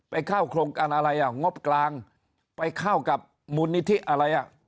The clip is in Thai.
ไปเข้าโครงการอะไรอ่ะงบกลางไปเข้ากับมูลนิธิอะไรอ่ะ